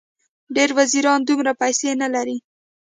ډېر وزیران دومره پیسې نه لري.